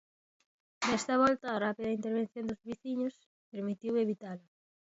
Desta volta, a rápida intervención dos veciños permitiu evitala.